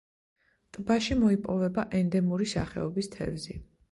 ტბაში მოიპოვება ენდემური სახეობის თევზი.